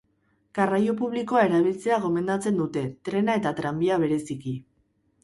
Garraio publikoa erabiltzea gomendatzen dute, trena eta tranbia bereziki.